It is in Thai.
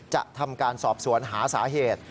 จะทำการสอบสวนหาสาเหตุ